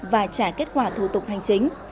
và trả kết quả thủ tục hành chính